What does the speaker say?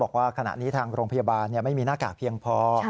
บอกว่าขณะนี้ทางโรงพยาบาลไม่มีหน้ากากเพียงพอ